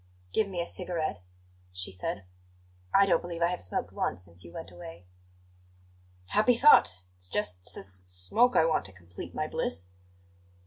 "Give me a cigarette," she said. "I don't believe I have smoked once since you went away." "Happy thought! It's just s s smoke I want to complete my bliss."